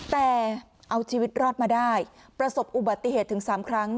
แต่เอาชีวิตรอดมาได้ประสบอุบัติเหตุถึง๓ครั้ง